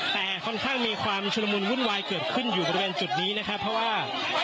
แต่ค่อนข้างมีความชุลมุนวุ่นวายเกิดขึ้นอยู่บริเวณจุดนี้นะครับเพราะว่า